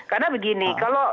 karena begini kalau